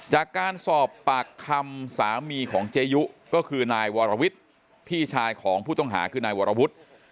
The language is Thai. จากการสอบปากคำสามีของเจยุก็คือนายวรวิทย์พี่ชายของผู้ต้องหาคือนายวรวุฒิ